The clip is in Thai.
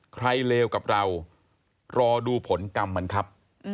เลวกับเรารอดูผลกรรมมันครับ